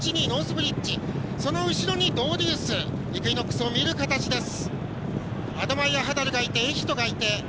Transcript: ドウデュースイクイノックスを見る形です。